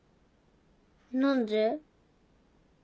何で？